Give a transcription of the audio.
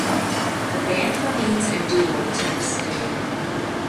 The band remains a duo to this day.